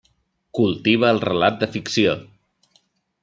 Cultiva el relat de ficció.